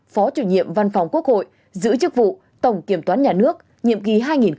phó chủ nhiệm văn phòng quốc hội giữ chức vụ tổng kiểm toán nhà nước nhiệm kỳ hai nghìn một mươi sáu hai nghìn hai mươi